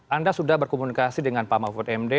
anda sudah berkomunikasi dengan pak mahfud md